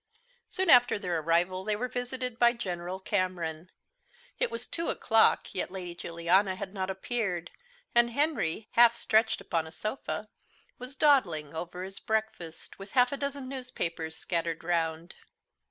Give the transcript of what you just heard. Soon after their arrival they were visited by General Cameron. It was two o'clock, yet Lady Juliana had not appeared; and Henry, half stretched upon a sofa, was dawdling over his breakfast with half a dozen newspapers scattered round.